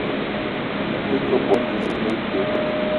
Me te ke bot mendim ibeu.